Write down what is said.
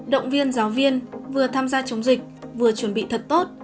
động viên giáo viên vừa tham gia chống dịch vừa chuẩn bị thật tốt